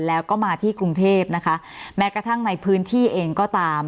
แล้วก็มาที่กรุงเทพนะคะแม้กระทั่งในพื้นที่เองก็ตาม